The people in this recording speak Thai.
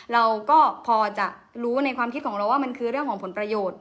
เราก็พอจะรู้ในความคิดของเราว่ามันคือเรื่องของผลประโยชน์